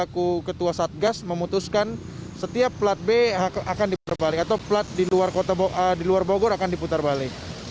selaku ketua satgas memutuskan setiap plat b akan diputar balik atau plat di luar bogor akan diputar balik